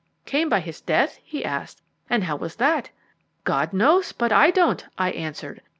"'Came by his death?' he asked. 'And how was that?' "'God knows, but I don't,' I answered.